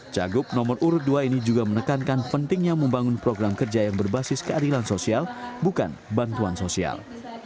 cagup nomor urut dua ini juga menekankan pentingnya membangun program kerja yang berbasis keadilan sosial bukan bantuan sosial